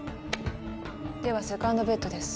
ではセカンドベットです。